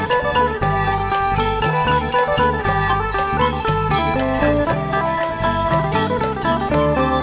โชว์ฮีตะโครน